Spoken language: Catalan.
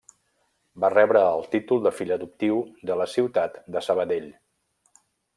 Va rebre el títol de fill adoptiu de la ciutat de Sabadell.